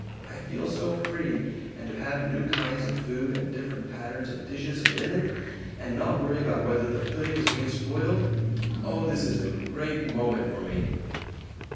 I feel so free. And to have new kinds of food, and different patterns of dishes and linen, and not worry about whether the pudding is being spoiled! Oh, this is a great moment for me!"